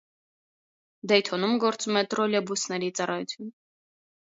Դեյթոնում գործում է տրոլեյբուսների ծառայություն։